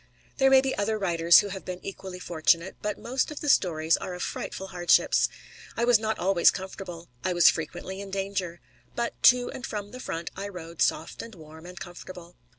There may be other writers who have been equally fortunate, but most of the stories are of frightful hardships. I was not always comfortable. I was frequently in danger. But to and from the front I rode soft and warm and comfortable.